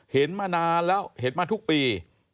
เห็นมานานแล้วเห็นมาทุกปี